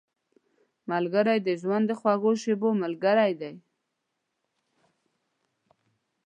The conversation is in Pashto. ملګری د ژوند د خوږو شېبو ملګری دی